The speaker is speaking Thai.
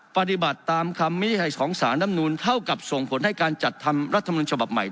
ปฏิบัติตามคำมิขสานำนูนเท่ากับส่งผลให้การจัดธรรมรัฐธรรมนุนชมบับใหม่